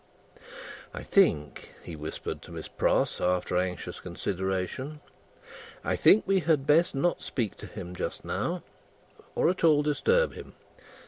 "I think," he whispered to Miss Pross, after anxious consideration, "I think we had best not speak to him just now, or at all disturb him.